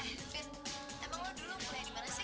eh fit emang lo dulu kuliah dimana sih